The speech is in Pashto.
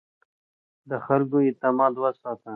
د خلکو اعتماد وساته.